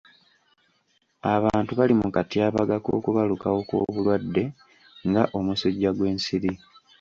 Abantu bali mu katyabaga k'okubalukawo kw'obulwadde nga omusujja gw'ensiri.